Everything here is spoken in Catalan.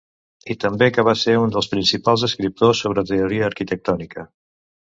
I també que va ser un dels principals escriptors sobre teoria arquitectònica.